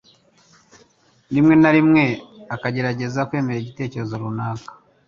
rimwe na rimwe akagerageza kwemera igitekerezo runaka